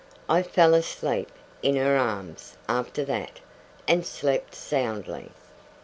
I fell asleep in her arms, after that, and slept soundly.